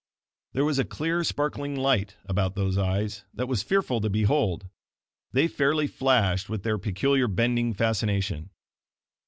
There was a clear, sparkling light about those eyes that was fearful to behold they fairly flashed with their peculiar bending fascination.